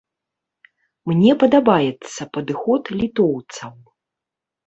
Мне падабаецца падыход літоўцаў.